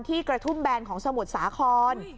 ที่กระทุ่มแบนของสมุดสาขร